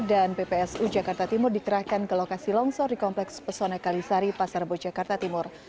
dan ppsu jakarta timur dikerahkan ke lokasi longsor di kompleks pesona kalisari pasar bojakarta timur